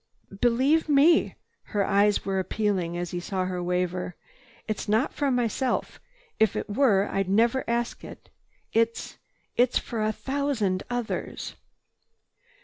"Be believe me!" His eyes were appealing as he saw her waver. "It's not for myself. If it were, I'd never ask it. It—it's for a thousand others."